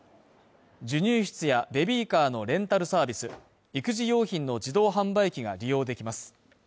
授乳室やベビーカーのレンタルサービス育児用品の自動販売機が利用できます。